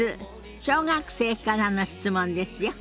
小学生からの質問ですよ。